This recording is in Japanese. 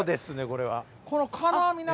これは。